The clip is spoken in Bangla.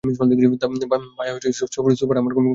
ভায়া, সোফাটা আমার খুব পছন্দের ছিল।